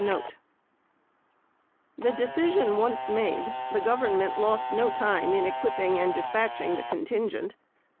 The decision once made, the Government lost no time in equipping and dispatching the contingent.